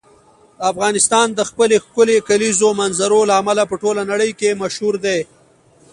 افغانستان د خپلې ښکلې کلیزو منظره له امله په ټوله نړۍ کې مشهور دی.